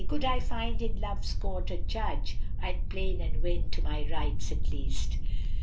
Could I find in Love's Court a judge * I'd 'plain and win to my rights at least."